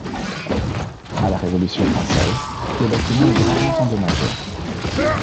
À la Révolution française, le bâtiment est gravement endommagé.